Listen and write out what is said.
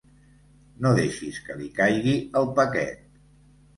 No deixis que li caigui el paquet.